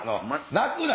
泣くな！